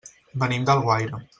Venim d'Alguaire.